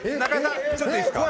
ちょっといいですか？